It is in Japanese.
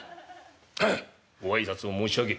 んっご挨拶を申し上げい」。